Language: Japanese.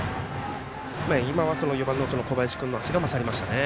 今は４番、小林君の足が勝りましたね。